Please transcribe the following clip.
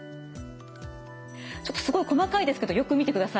ちょっとすごい細かいですけどよく見てください。